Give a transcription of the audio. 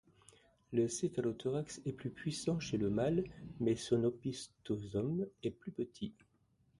Le céphalothorax est plus puissant chez le mâle, mais son opisthosome est plus petit.